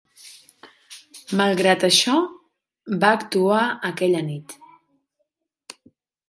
Malgrat això, va actuar aquella nit.